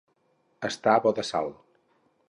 Estar bo de sal.